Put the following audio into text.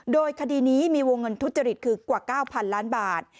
โดยคดีนี้มีวงเงินทุจริตคือกว่า๙๐๐ล้านบาท